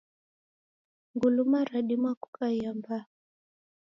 Nguluma radima kukaia mbaa.